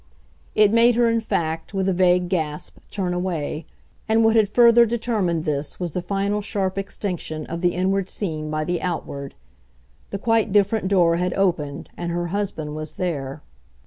It made her in fact, with a vague gasp, turn away, and what had further determined this was the final sharp extinction of the inward scene by the outward. The quite different door had opened and her husband was there.